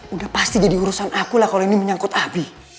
udah pasti jadi urusan aku lah kalau ini menyangkut abi